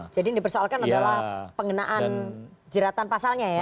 jadi ini dipersoalkan adalah pengenaan jeratan pasalnya ya